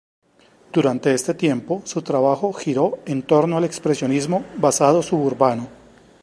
Durante este tiempo, su trabajo giró en torno al expresionismo basado suburbano.